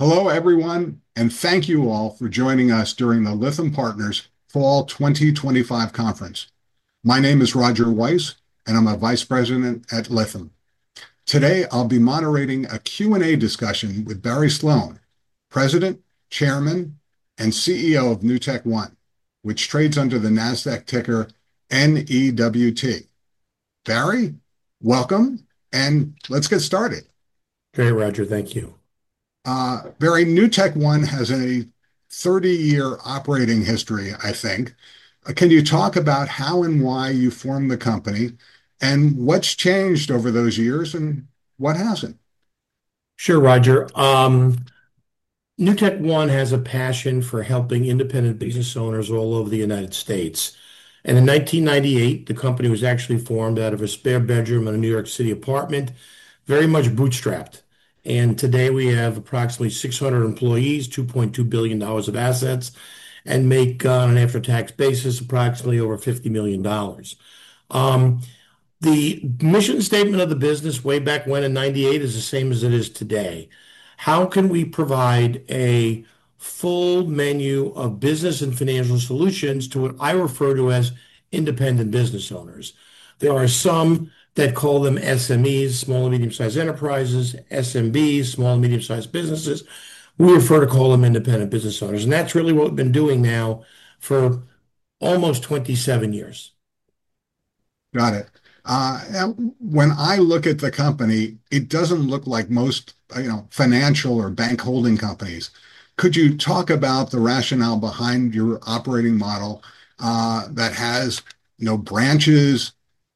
Hello everyone, and thank you all for joining us during the Lytham Partners Fall 2025 conference. My name is Roger Weiss, and I'm a Vice President at Lytham. Today, I'll be moderating a Q&A discussion with Barry Sloane, President, Chairman, and CEO of NewtekOne, which trades under the Nasdaq ticker NEWT. Barry, welcome, and let's get started. Thanks, Roger. Thank you. Barry, NewtekOne has a 30-year operating history, I think. Can you talk about how and why you formed the company, and what's changed over those years, and what hasn't? Sure, Roger. NewtekOne has a passion for helping independent business owners all over the United States. In 1998, the company was actually formed out of a spare bedroom in a New York City apartment, very much bootstrapped. Today, we have approximately 600 employees, $2.2 billion of assets, and make on an after-tax basis approximately over $50 million. The mission statement of the business way back when in 1998 is the same as it is today. How can we provide a full menu of business and financial solutions to what I refer to as independent business owners? There are some that call them SMEs, small and medium-sized enterprises, SMBs, small and medium-sized businesses. We refer to call them independent business owners. That's really what we've been doing now for almost 27 years. Got it. When I look at the company, it doesn't look like most, you know, financial or bank holding companies. Could you talk about the rationale behind your operating model that has no branches,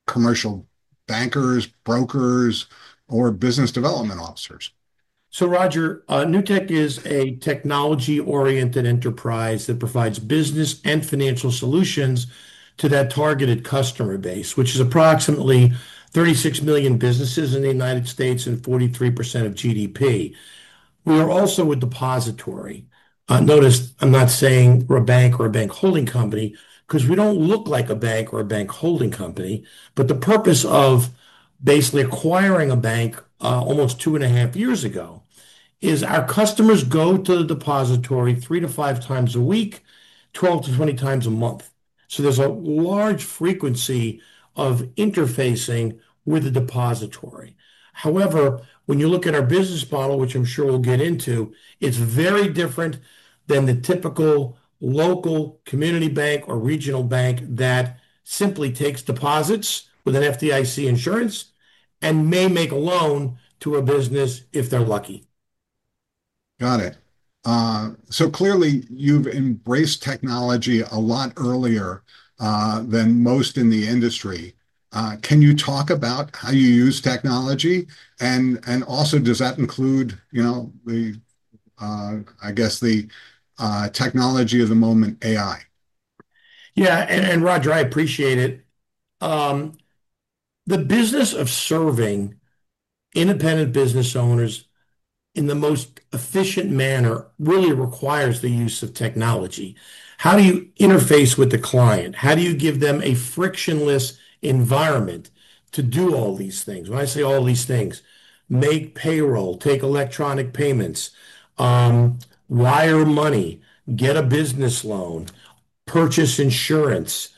commercial bankers, brokers, or business development officers? Roger, NewtekOne is a technology-oriented enterprise that provides business and financial solutions to that targeted customer base, which is approximately 36 million businesses in the United States and 43% of GDP. We are also a depository. Notice, I'm not saying we're a bank or a bank holding company because we don't look like a bank or a bank holding company. The purpose of basically acquiring a bank almost two and a half years ago is our customers go to the depository three to five times a week, 12-20 times a month. There's a large frequency of interfacing with the depository. However, when you look at our business model, which I'm sure we'll get into, it's very different than the typical local community bank or regional bank that simply takes deposits with FDIC insurance and may make a loan to a business if they're lucky. Got it. Clearly, you've embraced technology a lot earlier than most in the industry. Can you talk about how you use technology? Also, does that include, you know, I guess, the technology of the moment, AI? Yeah, Roger, I appreciate it. The business of serving independent business owners in the most efficient manner really requires the use of technology. How do you interface with the client? How do you give them a frictionless environment to do all these things? When I say all these things, make payroll, take electronic payments, wire money, get a business loan, purchase insurance,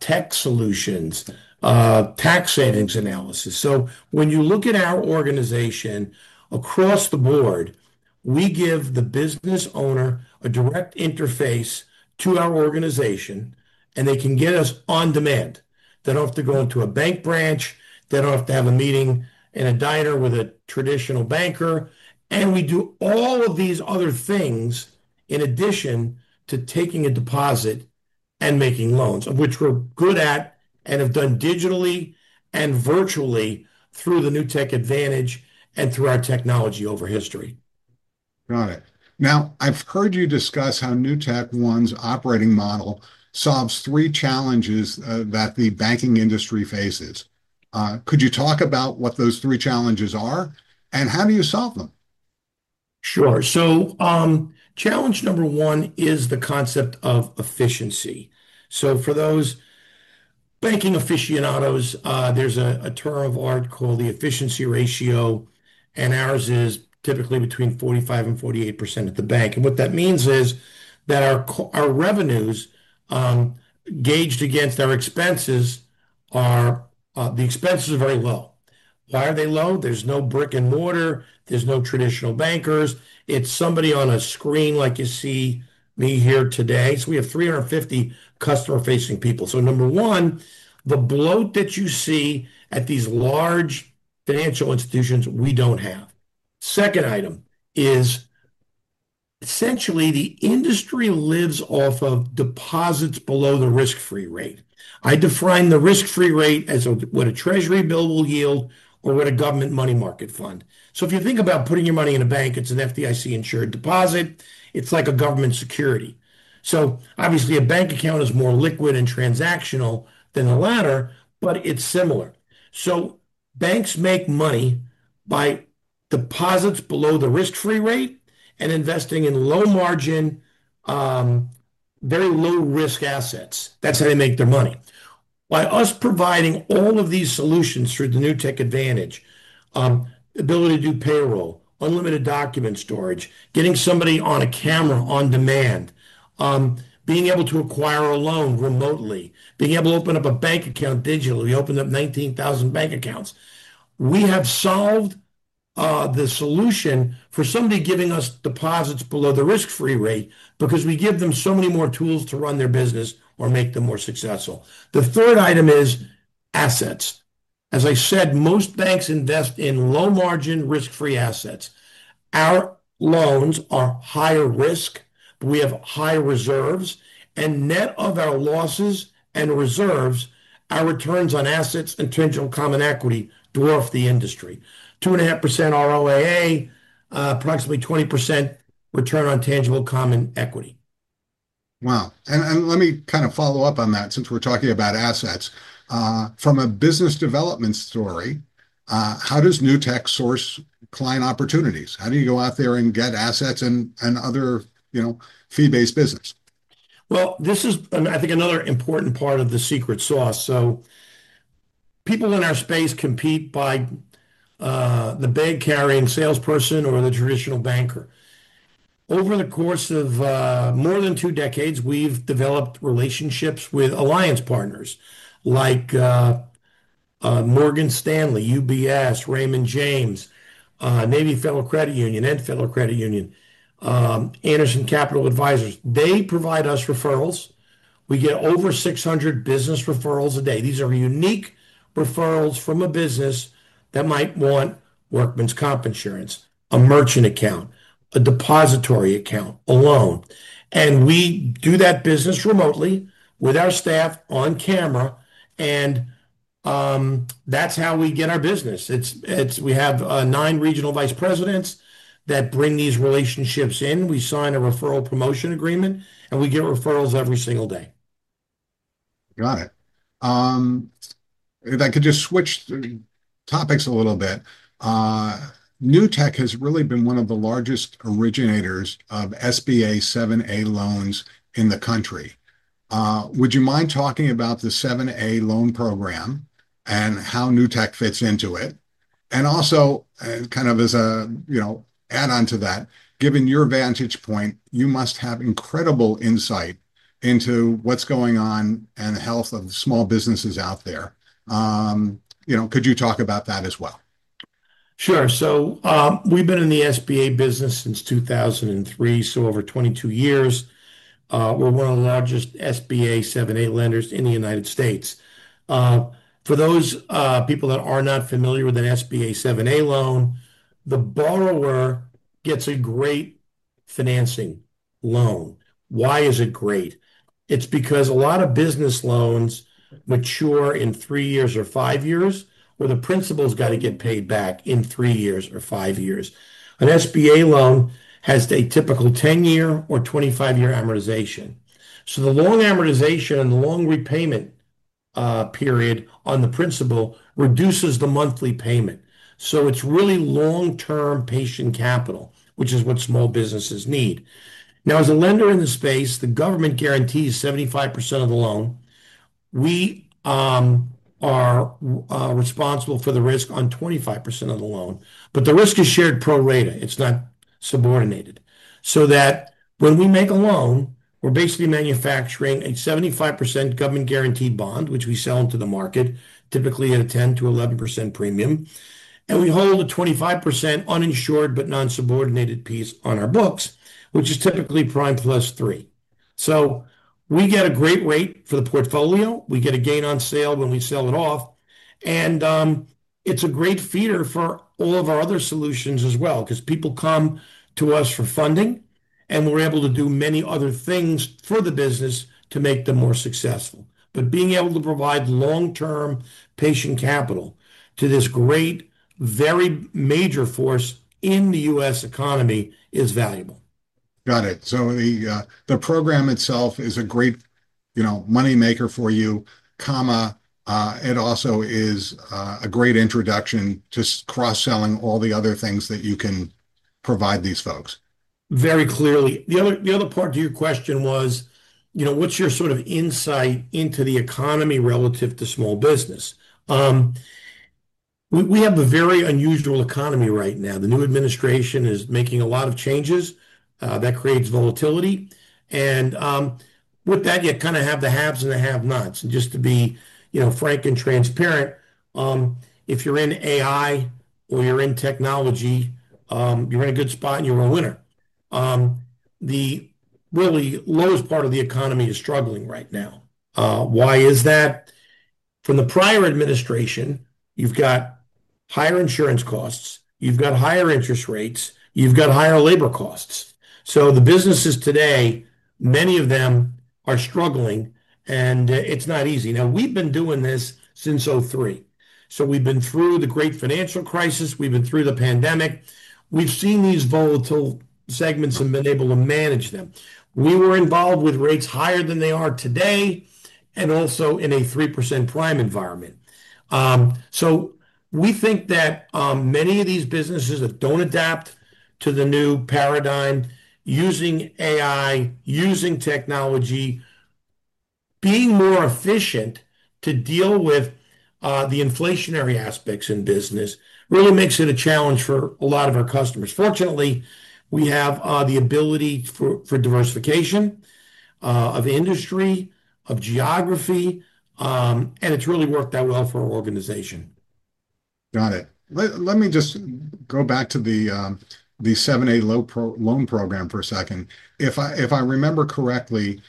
tech solutions, tax savings analysis. When you look at our organization across the board, we give the business owner a direct interface to our organization, and they can get us on demand. They don't have to go into a bank branch. They don't have to have a meeting in a diner with a traditional banker. We do all of these other things in addition to taking a deposit and making loans, which we're good at and have done digitally and virtually through the Newtek Advantage and through our technology over history. Got it. Now, I've heard you discuss how NewtekOne's operating model solves three challenges that the banking industry faces. Could you talk about what those three challenges are and how do you solve them? Sure. Challenge number one is the concept of efficiency. For those banking aficionados, there's a term of art called the efficiency ratio, and ours is typically between 45% and 48% at the bank. What that means is that our revenues gauged against our expenses are the expenses are very low. Why are they low? There's no brick and mortar. There's no traditional bankers. It's somebody on a screen like you see me here today. We have 350 customer-facing people. Number one, the bloat that you see at these large financial institutions, we don't have. The second item is essentially the industry lives off of deposits below the risk-free rate. I define the risk-free rate as what a Treasury bill will yield or what a government money market fund. If you think about putting your money in a bank, it's an FDIC-insured deposit. It's like a government security. Obviously, a bank account is more liquid and transactional than the latter, but it's similar. Banks make money by deposits below the risk-free rate and investing in low margin, very low-risk assets. That's how they make their money. By us providing all of these solutions through the Newtek Advantage, the ability to do payroll, unlimited document storage, getting somebody on a camera on demand, being able to acquire a loan remotely, being able to open up a bank account digitally, we opened up 19,000 bank accounts. We have solved the solution for somebody giving us deposits below the risk-free rate because we give them so many more tools to run their business or make them more successful. The third item is assets. As I said, most banks invest in low-margin, risk-free assets. Our loans are higher risk. We have higher reserves, and net of our losses and reserves, our returns on assets and tangible common equity dwarf the industry. 2.5% RLAA, approximately 20% return on tangible common equity. Wow. Let me kind of follow up on that since we're talking about assets. From a business development story, how does Newtek source client opportunities? How do you go out there and get assets and other, you know, fee-based business? I think this is another important part of the secret sauce. People in our space compete by the bag-carrying salesperson or the traditional banker. Over the course of more than two decades, we've developed relationships with alliance partners like Morgan Stanley, UBS, Raymond James, Navy Federal Credit Union, and Anderson Capital Advisors. They provide us referrals. We get over 600 business referrals a day. These are unique referrals from a business that might want workman's comp insurance, a merchant account, a depository account, a loan. We do that business remotely with our staff on camera, and that's how we get our business. We have nine Regional Vice Presidents that bring these relationships in. We sign a referral promotion agreement, and we get referrals every single day. Got it. If I could just switch topics a little bit, Newtek has really been one of the largest originators of SBA 7(a) loans in the country. Would you mind talking about the 7(a) loan program and how Newtek fits into it? Also, kind of as an add-on to that, given your vantage point, you must have incredible insight into what's going on and the health of small businesses out there. Could you talk about that as well? Sure. We've been in the SBA business since 2003, so over 22 years. We're one of the largest SBA 7(a) lenders in the United States. For those people that are not familiar with an SBA 7(a) loan, the borrower gets a great financing loan. Why is it great? It's because a lot of business loans mature in three years or five years, where the principal's got to get paid back in three years or five years. An SBA loan has a typical 10-year or 25-year amortization. The loan amortization and the loan repayment period on the principal reduces the monthly payment. It's really long-term patient capital, which is what small businesses need. As a lender in the space, the government guarantees 75% of the loan. We are responsible for the risk on 25% of the loan. The risk is shared pro rata. It's not subordinated. When we make a loan, we're basically manufacturing a 75% government-guaranteed bond, which we sell into the market, typically at a 10%-11% premium. We hold a 25% uninsured but non-subordinated piece on our books, which is typically prime +3%. We get a great rate for the portfolio. We get a gain on sale when we sell it off. It's a great feeder for all of our other solutions as well, because people come to us for funding, and we're able to do many other things for the business to make them more successful. Being able to provide long-term patient capital to this great, very major force in the U.S. economy is valuable. The program itself is a great moneymaker for you, and it also is a great introduction to cross-selling all the other things that you can provide these folks. Very clearly. The other part to your question was, you know, what's your sort of insight into the economy relative to small business? We have a very unusual economy right now. The new administration is making a lot of changes. That creates volatility. With that, you kind of have the haves and the have-nots. Just to be, you know, frank and transparent, if you're in AI or you're in technology, you're in a good spot and you're a winner. The really lowest part of the economy is struggling right now. Why is that? From the prior administration, you've got higher insurance costs, you've got higher interest rates, you've got higher labor costs. The businesses today, many of them are struggling, and it's not easy. We've been doing this since 2003. We've been through the great financial crisis, we've been through the pandemic. We've seen these volatile segments and been able to manage them. We were involved with rates higher than they are today, and also in a 3% prime environment. We think that many of these businesses that don't adapt to the new paradigm, using AI, using technology, being more efficient to deal with the inflationary aspects in business really makes it a challenge for a lot of our customers. Fortunately, we have the ability for diversification of industry, of geography, and it's really worked out well for our organization. Got it. Let me just go back to the 7(a) loan program for a second. If I remember correctly,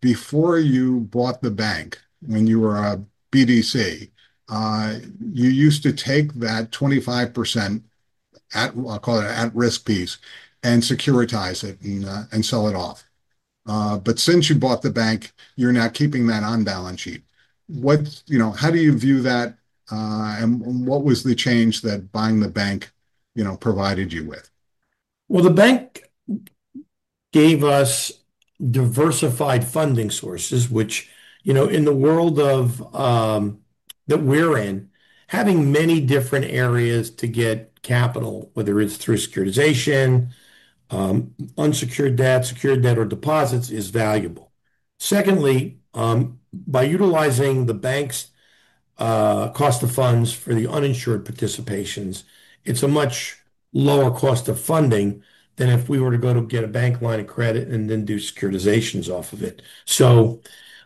before you bought the bank, when you were a BDC, you used to take that 25%, I'll call it an at-risk piece, and securitize it and sell it off. Since you bought the bank, you're now keeping that on balance sheet. How do you view that? What was the change that buying the bank provided you with? The bank gave us diversified funding sources, which, you know, in the world that we're in, having many different areas to get capital, whether it's through securitization, unsecured debt, secured debt, or deposits, is valuable. Secondly, by utilizing the bank's cost of funds for the uninsured participations, it's a much lower cost of funding than if we were to go to get a bank line of credit and then do securitizations off of it.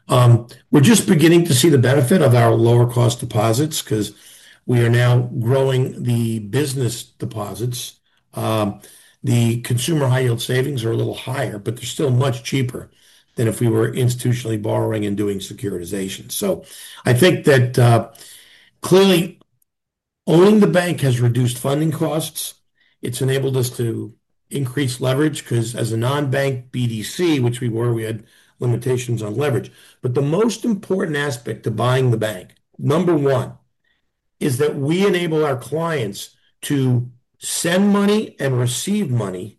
We're just beginning to see the benefit of our lower cost deposits because we are now growing the business deposits. The consumer high-yield savings are a little higher, but they're still much cheaper than if we were institutionally borrowing and doing securitizations. I think that clearly, owning the bank has reduced funding costs. It's enabled us to increase leverage because as a non-bank BDC, which we were, we had limitations on leverage. The most important aspect to buying the bank, number one, is that we enable our clients to send money and receive money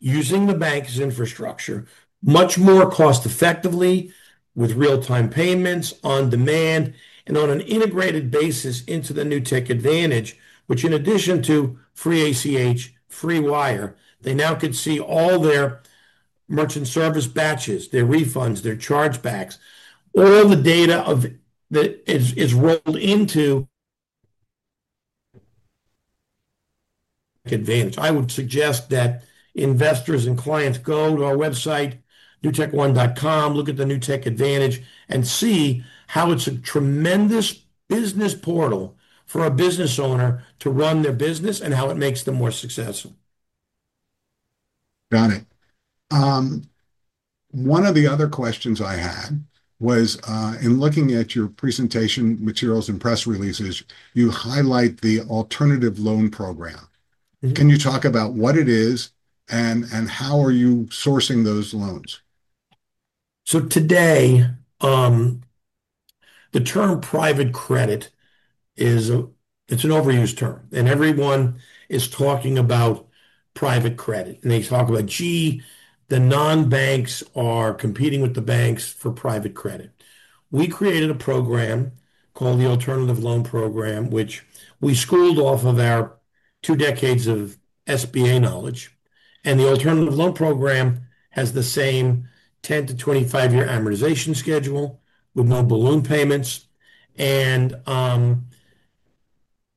using the bank's infrastructure much more cost-effectively with real-time payments on demand and on an integrated basis into the Newtek Advantage, which in addition to free ACH, free wire, they now could see all their merchant service batches, their refunds, their chargebacks. All the data is rolled into Advantage. I would suggest that investors and clients go to our website, newtekone.com, look at the Newtek Advantage, and see how it's a tremendous business portal for a business owner to run their business and how it makes them more successful. Got it. One of the other questions I had was, in looking at your presentation materials and press releases, you highlight the alternative loan program. Can you talk about what it is and how are you sourcing those loans? Today, the term private credit is an overused term, and everyone is talking about private credit. They talk about, "Gee, the non-banks are competing with the banks for private credit." We created a program called the Alternative Loan Program, which we scribbled off of our two decades of SBA knowledge. The Alternative Loan Program has the same 10-25-year amortization schedule with no balloon payments.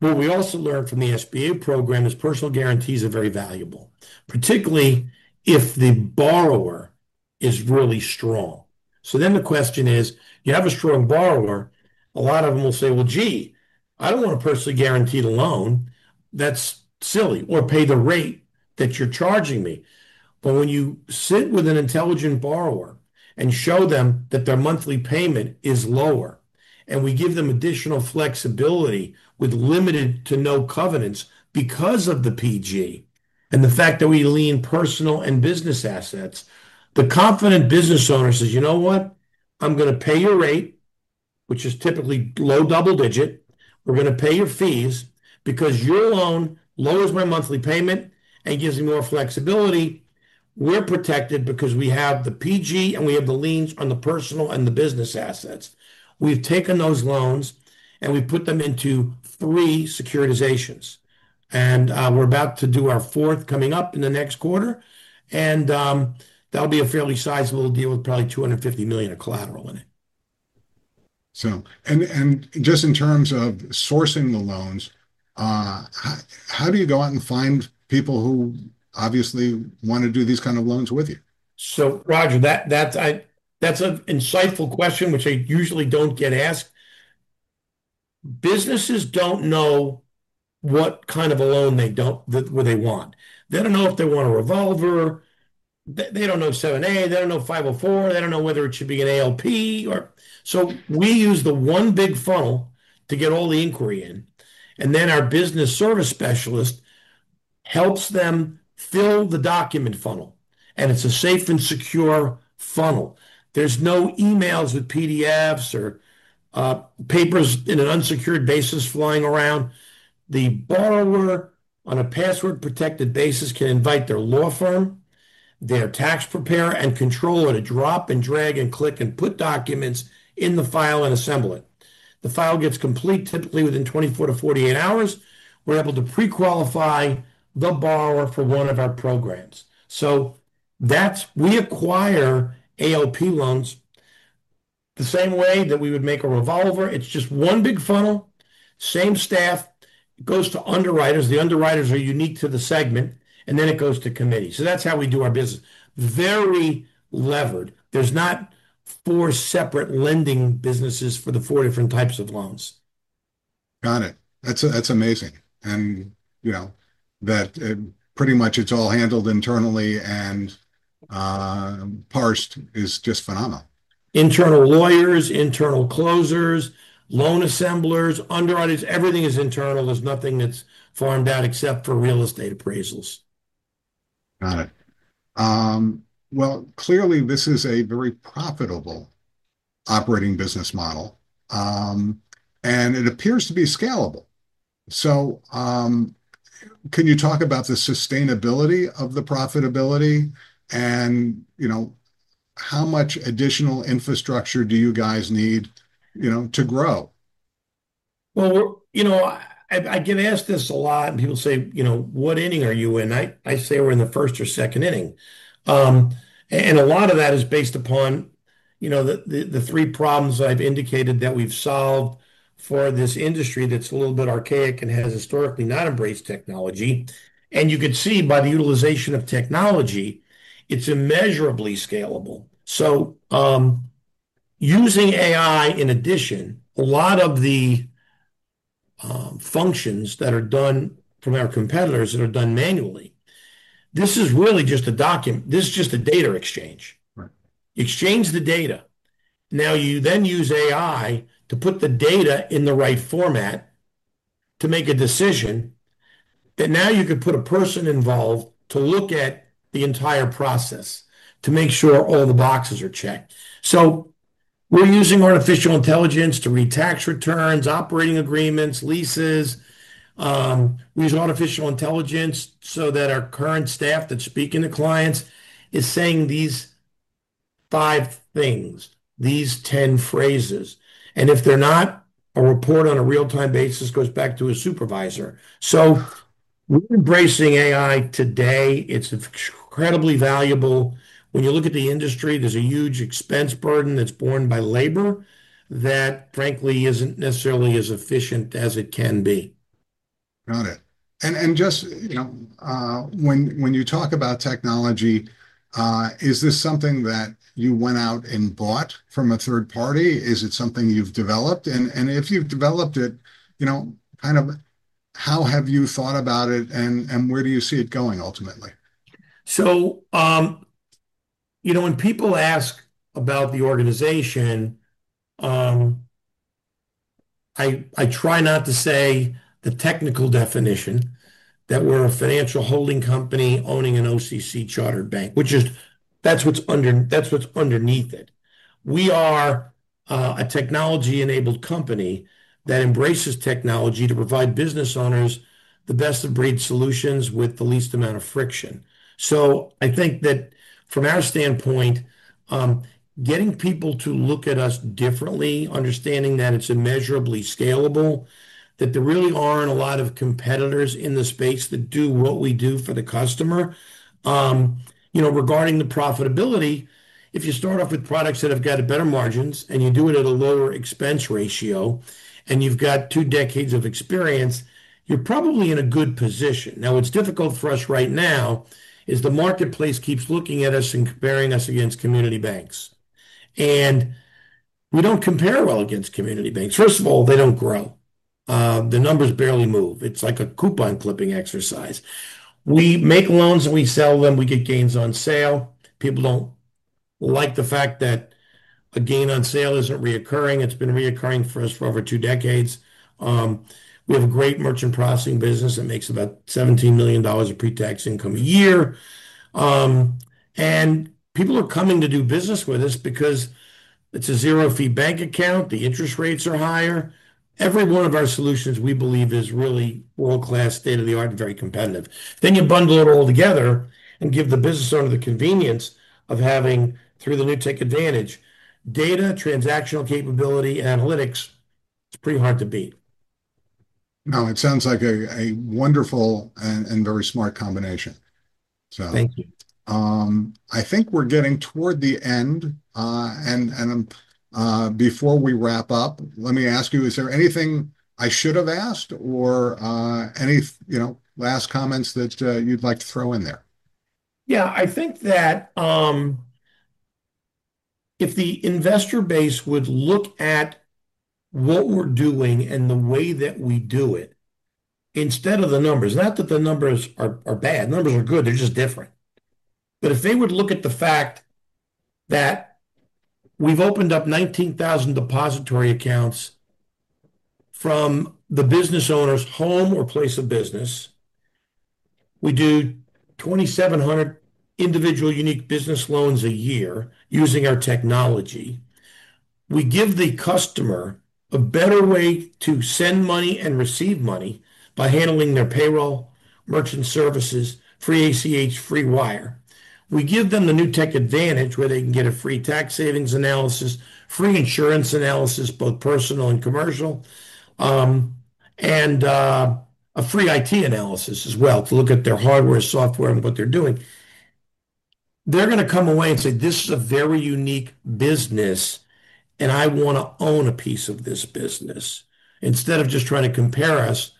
What we also learned from the SBA program is personal guarantees are very valuable, particularly if the borrower is really strong. The question is, you have a strong borrower, a lot of them will say, "Gee, I don't want a personal guarantee to loan. That's silly, or pay the rate that you're charging me." When you sit with an intelligent borrower and show them that their monthly payment is lower, and we give them additional flexibility with limited to no covenants because of the PG and the fact that we lien personal and business assets, the confident business owner says, "You know what? I'm going to pay your rate, which is typically low double digit. We're going to pay your fees because your loan lowers my monthly payment and gives me more flexibility." We're protected because we have the PG and we have the liens on the personal and the business assets. We've taken those loans and we've put them into three securitizations. We're about to do our fourth coming up in the next quarter. That'll be a fairly sizable deal with probably $250 million of collateral in it. In terms of sourcing the loans, how do you go out and find people who obviously want to do these kinds of loans with you? Roger, that's an insightful question, which I usually don't get asked. Businesses don't know what kind of a loan they want. They don't know if they want a revolver. They don't know 7(a). They don't know 504. They don't know whether it should be an ALP. We use the one big funnel to get all the inquiry in. Our business service specialist helps them fill the document funnel. It's a safe and secure funnel. There are no emails with PDFs or papers in an unsecured basis flying around. The borrower, on a password-protected basis, can invite their law firm, their tax preparer, and control it to drop and drag and click and put documents in the file and assemble it. The file gets complete typically within 24 to 48 hours. We're able to pre-qualify the borrower for one of our programs. We acquire ALP loans the same way that we would make a revolver. It's just one big funnel, same staff. It goes to underwriters. The underwriters are unique to the segment. It goes to committees. That's how we do our business. Very levered. There are not four separate lending businesses for the four different types of loans. Got it. That's amazing. You know that pretty much it's all handled internally and parsed is just phenomenal. Internal lawyers, internal closers, loan assemblers, underwriters, everything is internal. There's nothing that's farmed out except for real estate appraisals. Clearly, this is a very profitable operating business model, and it appears to be scalable. Can you talk about the sustainability of the profitability? You know, how much additional infrastructure do you guys need, you know, to grow? I get asked this a lot, and people say, you know, what inning are you in? I say we're in the first or second inning. A lot of that is based upon the three problems I've indicated that we've solved for this industry that's a little bit archaic and has historically not embraced technology. You could see by the utilization of technology, it's immeasurably scalable. Using AI in addition, a lot of the functions that are done from our competitors that are done manually, this is really just a document. This is just a data exchange. You exchange the data. Now you then use AI to put the data in the right format to make a decision that now you could put a person involved to look at the entire process to make sure all the boxes are checked. We're using artificial intelligence to read tax returns, operating agreements, leases. We use artificial intelligence so that our current staff that's speaking to clients is saying these five things, these 10 phrases. If they're not, a report on a real-time basis goes back to a supervisor. We're embracing AI today. It's incredibly valuable. When you look at the industry, there's a huge expense burden that's borne by labor that, frankly, isn't necessarily as efficient as it can be. Got it. When you talk about technology, is this something that you went out and bought from a third party? Is it something you've developed? If you've developed it, how have you thought about it and where do you see it going ultimately? When people ask about the organization, I try not to say the technical definition that we're a financial holding company owning an OCC chartered bank, which is what's underneath it. We are a technology-enabled company that embraces technology to provide business owners the best-of-breed solutions with the least amount of friction. I think that from our standpoint, getting people to look at us differently, understanding that it's immeasurably scalable, that there really aren't a lot of competitors in the space that do what we do for the customer. Regarding the profitability, if you start off with products that have got better margins and you do it at a lower expense ratio and you've got two decades of experience, you're probably in a good position. What's difficult for us right now is the marketplace keeps looking at us and comparing us against community banks. We don't compare well against community banks. First of all, they don't grow. The numbers barely move. It's like a coupon clipping exercise. We make loans and we sell them. We get gains on sale. People don't like the fact that a gain on sale isn't reoccurring. It's been reoccurring for us for over two decades. We have a great merchant processing business that makes about $17 million of pre-tax income a year. People are coming to do business with us because it's a zero-fee bank account. The interest rates are higher. Every one of our solutions, we believe, is really world-class, state-of-the-art, and very competitive. You bundle it all together and give the business owner the convenience of having, through the Newtek Advantage, data, transactional capability, analytics. It's pretty hard to beat. No, it sounds like a wonderful and very smart combination. Thank you. I think we're getting toward the end. Before we wrap up, let me ask you, is there anything I should have asked or any last comments that you'd like to throw in there? Yeah, I think that if the investor base would look at what we're doing and the way that we do it, instead of the numbers, not that the numbers are bad, numbers are good, they're just different. If they would look at the fact that we've opened up 19,000 depository accounts from the business owner's home or place of business, we do 2,700 individual unique business loans a year using our technology. We give the customer a better way to send money and receive money by handling their payroll, merchant services, free ACH, free wire. We give them the Newtek Advantage where they can get a free tax savings analysis, free insurance analysis, both personal and commercial, and a free IT analysis as well to look at their hardware, software, and what they're doing. They're going to come away and say, "This is a very unique business, and I want to own a piece of this business," instead of just trying to compare us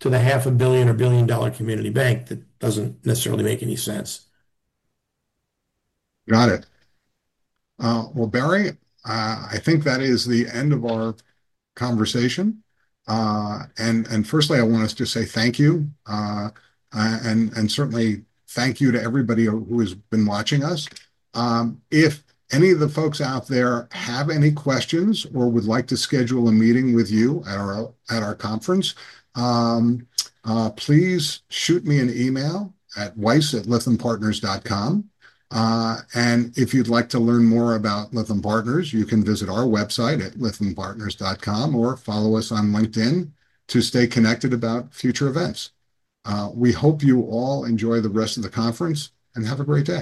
to the $0.5 billion or $1 billion community bank that doesn't necessarily make any sense. Got it. Barry, I think that is the end of our conversation. Firstly, I want to just say thank you. Certainly, thank you to everybody who has been watching us. If any of the folks out there have any questions or would like to schedule a meeting with you at our conference, please shoot me an email at weiss@lythampartners.com. If you'd like to learn more about Lytham Partners, you can visit our website at lythampartners.com or follow us on LinkedIn to stay connected about future events. We hope you all enjoy the rest of the conference and have a great day.